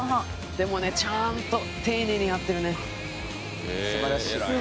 「でもねちゃんと丁寧にやってるね」「素晴らしい」「すごっ！」